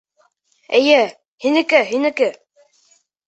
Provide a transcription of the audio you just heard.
Эйе, һинеке, һинеке!